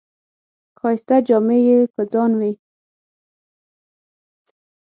ښایسته جامې یې په ځان وې.